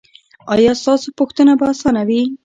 ایا ستاسو پوښتنه به اسانه وي؟